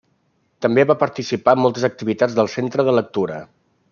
També va participar en moltes activitats del Centre de Lectura.